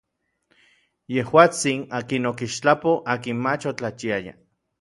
Yejuatsin, akin okixtlapoj akin mach otlachiaya.